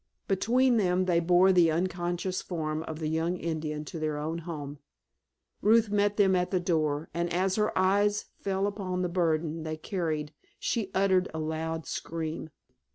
Between them they bore the unconscious form of the young Indian to their own home. Ruth met them at the door, and as her eyes fell upon the burden they carried she uttered a loud scream.